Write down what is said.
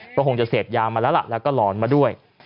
ก็คงจะเสพยามาแล้วล่ะแล้วก็หลอนมาด้วย